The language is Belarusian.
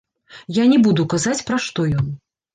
Я не буду казаць, пра што ён.